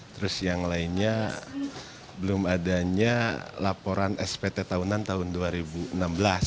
terus yang lainnya belum adanya laporan spt tahunan tahun dua ribu enam belas